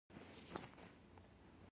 پګړۍ تړل د مشرانو نښه ده.